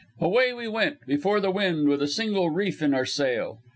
Away we went before the wind with a single reef in our sail.